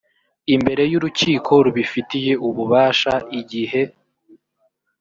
imbere y urukiko rubifitiye ububasha igihe